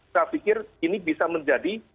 saya pikir ini bisa menjadi